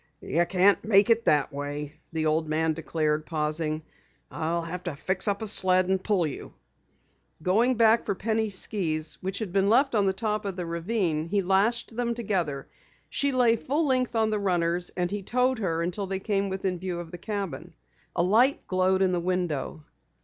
"You can't make it that way," the old man declared, pausing. "I'll have to fix up a sled and pull you." Going back for Penny's skis which had been left at the top of the ravine, he lashed them together. She lay full length on the runners, and he towed her until they came within view of the cabin. A light glowed in the window.